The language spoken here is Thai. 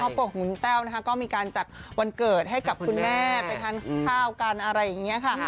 ตัวของคุณแต้วนะคะก็มีการจัดวันเกิดให้กับคุณแม่ไปทานข้าวกันอะไรอย่างนี้ค่ะ